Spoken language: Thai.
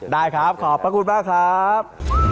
ได้ครับขอบพระคุณมากครับ